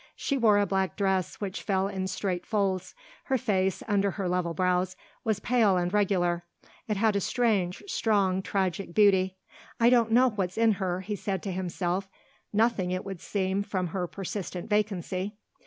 She wore a black dress which fell in straight folds; her face, under her level brows, was pale and regular it had a strange, strong, tragic beauty. "I don't know what's in her," he said to himself; "nothing, it would seem, from her persistent vacancy.